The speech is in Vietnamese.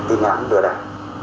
tin án lừa đại